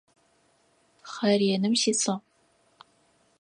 Хъэреным сисыгъ.